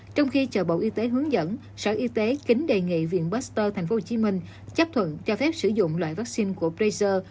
trong khi chờ bộ y tế hướng dẫn sở y tế kính đề nghị viện baxter tp hcm chấp thuận cho phép sử dụng loại vaccine của praser